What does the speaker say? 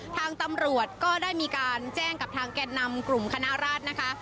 ทางตำรวจก็ได้มีการแจ้งกับทางแก่นำกลุ่มคณะราชนะคะ